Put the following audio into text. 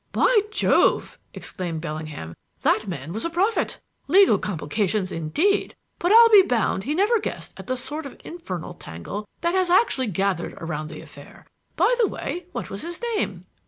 "By Jove!" exclaimed Bellingham, "that man was a prophet! Legal complications, indeed! But I'll be bound he never guessed at the sort of infernal tangle that has actually gathered round the affair. By the way, what was his name?"